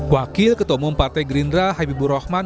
wakil ketomong partai gerindra habibur rahman